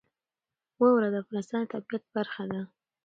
واوره د افغانستان د طبیعت برخه ده.